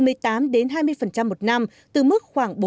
một năm từ mức khoảng